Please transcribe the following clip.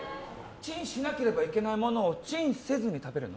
チンしなければいけないものをチンせずに食べるの？